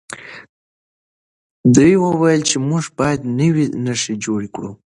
دوی وویل چې موږ باید نوي نښې جوړې کړو.